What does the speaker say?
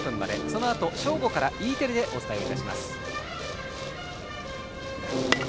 そのあと正午からＥテレでお伝えをいたします。